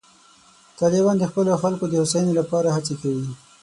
طالبان د خپلو خلکو د هوساینې لپاره هڅې کوي.